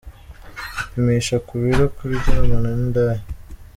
Gupimisha ku biro : Kuryamana n’indaya.